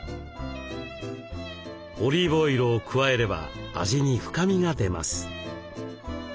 オリーブオイルを加えれば味に深みが出ます。